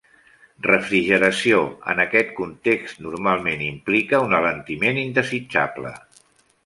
"Refrigeració" en aquest context normalment implica un alentiment indesitjable.